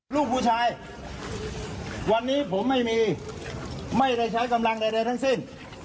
ลูกผู้ชายวันนี้ผมไม่มีไม่ได้ใช้กำลังใดทั้งสิ้น